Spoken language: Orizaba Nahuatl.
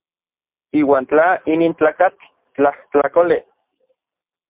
Iuan tla inin tlakatl tlajtlakolej.